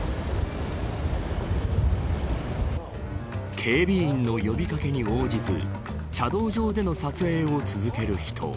警備員の呼び掛けに応じず車道上での撮影を続ける人。